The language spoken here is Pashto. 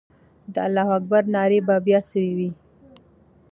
د الله اکبر ناره به بیا سوې وي.